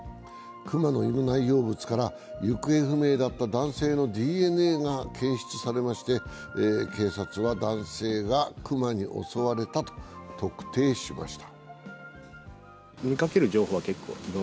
熊の胃の内容物から行方不明だった男性のＤＮＡが検出されまして、警察は男性が熊に襲われたと特定しました。